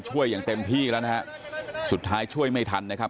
อย่างเต็มที่แล้วนะฮะสุดท้ายช่วยไม่ทันนะครับ